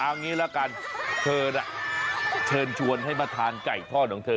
เอางี้ละกันเธอน่ะเชิญชวนให้มาทานไก่ทอดของเธอ